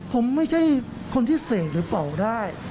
ผมไม่ใช่คนที่เสกหรือเป่าได้